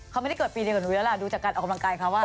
เขาไม่ได้เกิดปีเดียวกับหนูอยู่แล้วล่ะดูจากการออกกำลังกายเขา